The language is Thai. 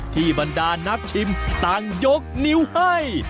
บรรดานักชิมต่างยกนิ้วให้